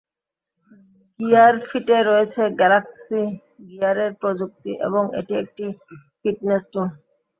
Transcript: Gear ফিটে রয়েছে Galaxy গিয়ারের প্রযুক্তি এবং এটি একটি ফিটনেস টুল।